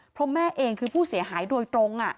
เพราะแม่เองคือผู้เสียหายโดยตรง